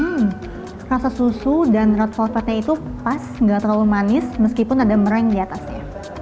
hmm rasa susu dan red velvetnya itu pas gak terlalu manis meskipun ada meringue di atasnya